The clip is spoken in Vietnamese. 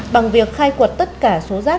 bằng việc khai quật tất cả số rác